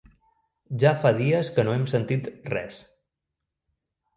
Ja fa dies que no hem sentit res.